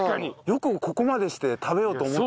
よくここまでして食べようと思ったよね。